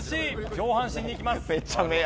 上半身にいきます。